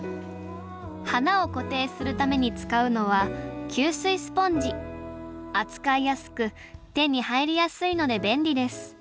花を固定するために使うのは扱いやすく手に入りやすいので便利です。